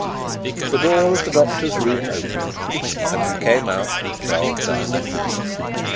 The door of the Doctor's room opened, and he came out with Charles Darnay.